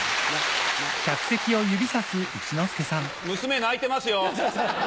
娘泣いてますよ！